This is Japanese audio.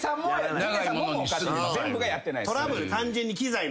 全部がやってないです。